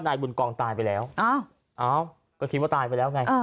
นายบุญกองตายไปแล้วอ้าวอ้าวก็คิดว่าตายไปแล้วไงอ่า